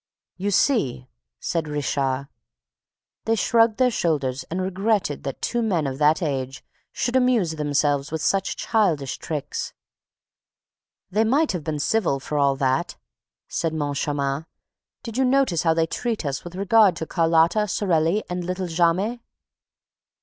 "You see!" said Richard. They shrugged their shoulders and regretted that two men of that age should amuse themselves with such childish tricks. "They might have been civil, for all that!" said Moncharmin. "Did you notice how they treat us with regard to Carlotta, Sorelli and Little Jammes?"